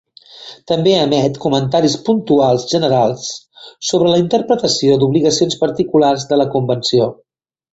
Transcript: També emet comentaris puntuals generals sobre la interpretació d'obligacions particulars de la Convenció.